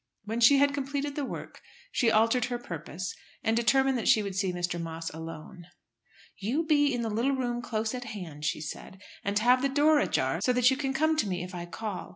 When she had completed the work she altered her purpose, and determined that she would see Mr. Moss alone. "You be in the little room close at hand," she said, "and have the door ajar, so that you can come to me if I call.